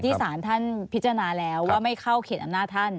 สารท่านพิจารณาแล้วว่าไม่เข้าเขตอำนาจท่าน